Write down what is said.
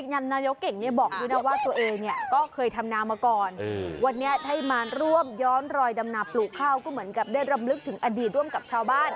นำนายกเก่งเนี่ยบอกด้วยนะว่าตัวเองเนี่ยก็เคยทำนามาก่อนวันนี้ได้มาร่วมย้อนรอยดำนาปลูกข้าวก็เหมือนกับได้รำลึกถึงอดีตร่วมกับชาวบ้าน